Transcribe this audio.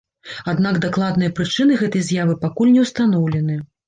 Аднак дакладныя прычыны гэтай з'явы пакуль не ўстаноўлены.